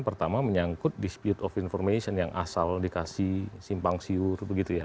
pertama menyangkut dispute of information yang asal dikasih simpang siur begitu ya